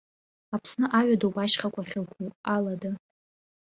Аԥсны аҩадоуп ашьхақәа ахьықәу, алада.